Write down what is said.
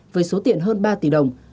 với số tiền hơn ba tỷ đồng